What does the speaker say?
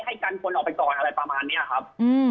ให้กันคนออกไปก่อนอะไรประมาณนี้ครับ